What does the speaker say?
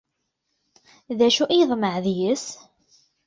D acu i yeḍmeε deg-s?